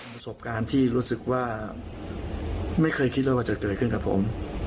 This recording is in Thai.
ประสบการณ์ที่รู้สึกว่าไม่เคยคิดเลยว่าจะเกิดขึ้นกับผม